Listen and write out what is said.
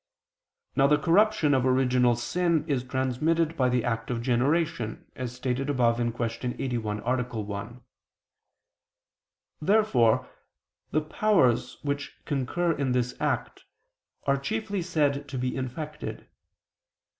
Now the corruption of original sin is transmitted by the act of generation, as stated above (Q. 81, A. 1). Therefore the powers which concur in this act, are chiefly said to be infected.